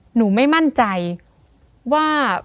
หนูไม่มั่นใจว่า